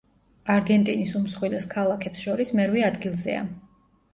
არგენტინის უმსხვილეს ქალაქებს შორის მერვე ადგილზეა.